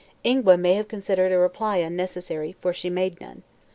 Ingua may have considered a reply unnecessary, for she made none.